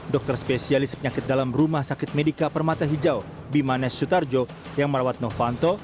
dokter spesialis penyakit dalam rumah sakit medika permata hijau bimanesh sutarjo yang merawat novanto